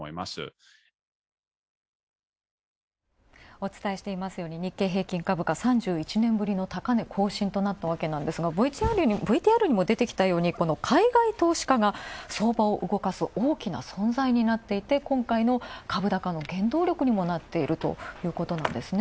お伝えしていますように日経平均株価、３１年ぶりの高値更新となったわけなんですがＶＴＲにも出てきたようにこの海外投資家が相場を動かす大きな存在になっていて今回の株高の原動力にもなっているということなんですね。